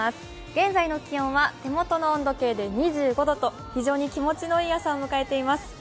現在の気温は手元の温度計で２５度と非常に気持ちのいい朝を迎えています。